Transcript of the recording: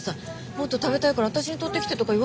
もっと食べたいから私に取ってきてとか言わないでよ。